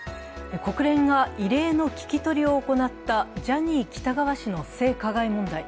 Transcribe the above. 国連が異例の聞き取りを行ったジャニー喜多川氏の性加害問題。